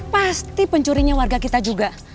pasti pencurinya warga kita juga